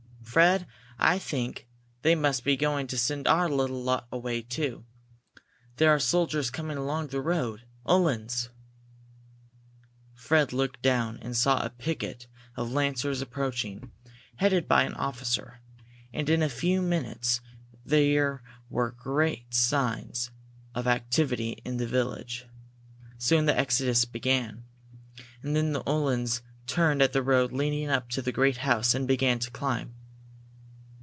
Fred, I think they must be going to send our little lot away, too. There are soldiers coming along the road Uhlans." Fred looked down and saw a picket of lancers approaching, headed by an officer. And in a few minutes there were signs of great activity in the village. Soon the exodus began. And then the Uhlans turned at the road leading up to the great house, and began to climb.